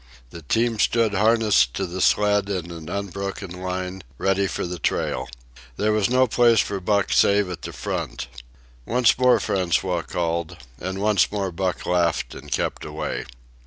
The team stood harnessed to the sled in an unbroken line, ready for the trail. There was no place for Buck save at the front. Once more François called, and once more Buck laughed and kept away.